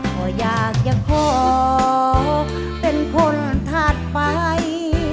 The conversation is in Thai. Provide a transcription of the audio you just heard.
ก็อยากจะขอเป็นคนถัดไป